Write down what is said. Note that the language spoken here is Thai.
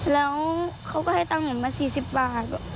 แล้วเขาก็ให้ตังค์หนูมา๔๐บาท